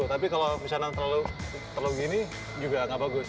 tapi kalau misalnya terlalu gini juga nggak bagus